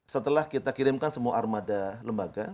setelah kita kirimkan semua armada lembaga